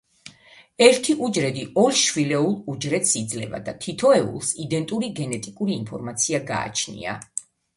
ერთი უჯრედი ორ შვილეულ უჯრედს იძლევა და თითოეულს იდენტური გენეტიკური ინფორმაცია გააჩნია.